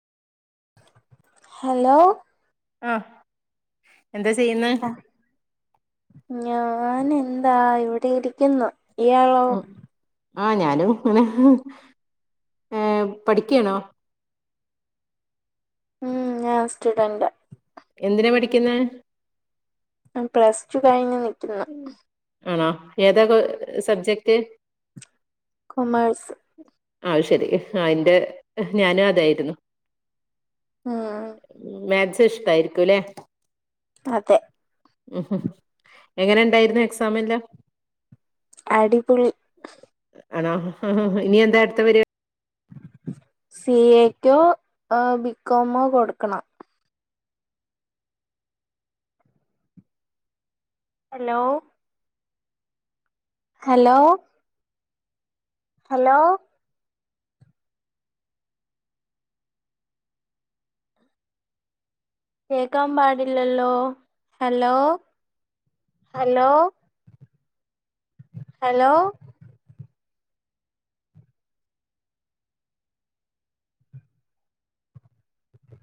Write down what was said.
Hello ആഹ് എന്താ ചെയ്യന്നെ? ഞാൻ എന്താ ഇവടെ ഇരിക്കുന്നു ഇയാളോ ഉം ആഹ് ഞാനും ഇങ്ങനെ ഏഹ് പഠിക്കാണോ? ഉം ഞാൻ സ്റ്റുഡൻറ്റാ എന്തിനാ പഠിക്കുന്നേ? പ്ലസ് ടു കഴിഞ്ഞ് നിക്കുന്നു. ആണോ ഏതാ കോ സബ്ജക്റ്റ് കോമേഴ്സ് അത് ശെരി ആഹ് ഇന്റെ ഞാനും അതായിരുന്നു ഉം മ്മ് മാക്ക്സ് ഇഷ്ടാരിക്കുലേ അതെ ഉം എങ്ങനെണ്ടായിരുന്നു എക്സാമെല്ലാം അടിപൊളി ആണോ ഇനി എന്താ അടുത്ത പരിപാ സി എക്കോ ആഹ് ബികോമോ കൊടുക്കണം. ഹലോ ഹലോ ഹലോ കേക്കാൻ പാടില്ലല്ലോ ഹലോ ഹലോ ഹലോ